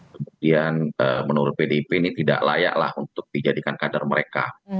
kemudian menurut pdip ini tidak layaklah untuk dijadikan kader mereka